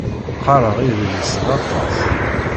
Qqareɣ idlisen aṭas.